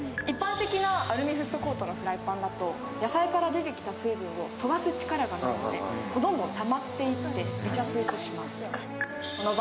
一般的なアルミフッ素コートのフライパンだと野菜から出てきた水分を飛ばす力がないので、どんどんたまっていって、ベチャついてしまう。